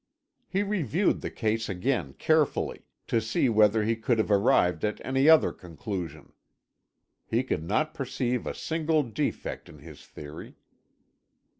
He reviewed the case again carefully, to see whether he could have arrived at any other conclusion. He could not perceive a single defect in his theory.